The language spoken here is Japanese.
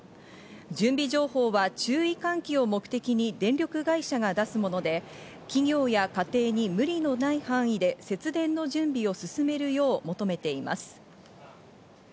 準備情報は注意喚起を目的に電力会社が出すもので、企業や家庭に無理のない範囲で節電の準備を進めるよう求めています。